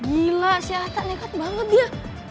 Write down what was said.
gila si atta lekat banget dia